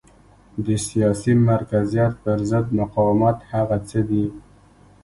د سیاسي مرکزیت پرضد مقاومت هغه څه دي.